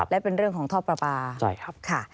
และเป็นเรื่องของท่อปลาปลาค่ะ